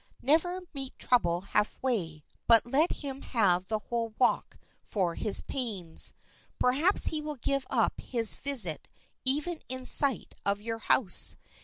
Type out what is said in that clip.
Never meet trouble half way, but let him have the whole walk for his pains. Perhaps he will give up his visit even in sight of your house.